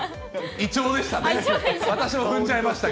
イチョウでしたか。